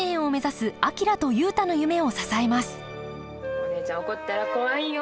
お姉ちゃん怒ったら怖いんよ。